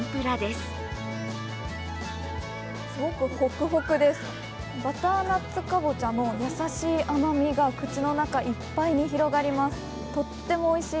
すごくホクホクでバターナッツカボチャの優しい甘みが口の中いっぱいに広がります。